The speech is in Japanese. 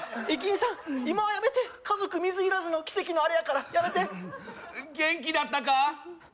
駅員さん今はやめて家族水入らずの奇跡のあれやからやめて元気だったか？